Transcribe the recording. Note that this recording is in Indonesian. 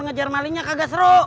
ngejar malingnya kagak seru